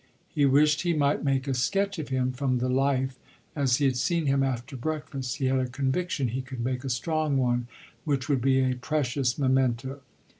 He wished he might make a sketch of him, from the life, as he had seen him after breakfast; he had a conviction he could make a strong one, which would be a precious memento.